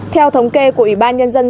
theo thống kê của ủy ban nhân dân